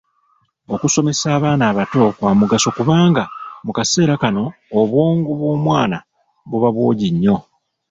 Okusomesa abaana abato kwa mugaso kubanga mu kaseera kano obwongo bw’omwana buba bwogi nnyo.